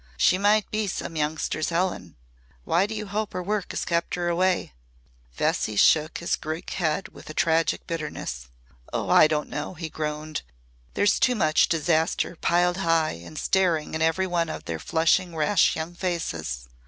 She might be some youngster's Helen! Why do you hope her work has kept her away?" Vesey shook his Greek head with a tragic bitterness. "Oh! I don't know," he groaned. "There's too much disaster piled high and staring in every one of their flushing rash young faces.